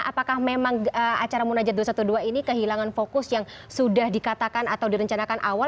apakah memang acara munajat dua ratus dua belas ini kehilangan fokus yang sudah dikatakan atau direncanakan awal